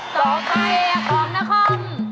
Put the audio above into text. ดอกใบของนคร